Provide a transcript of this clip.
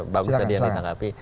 bagus saja dia menanggapi